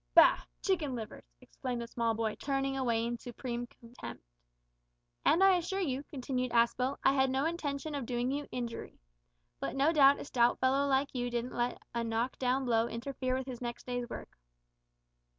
"Bah! chicken livers," exclaimed the small boy, turning away in supreme contempt. "And I assure you," continued Aspel, "I had no intention of doing you injury. But no doubt a stout fellow like you didn't let a knock down blow interfere with his next day's work."